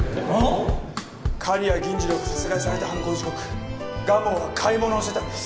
刈谷銀次郎が殺害された犯行時刻蒲生は買い物をしてたんです。